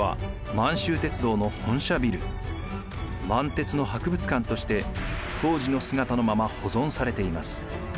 満鉄の博物館として当時の姿のまま保存されています。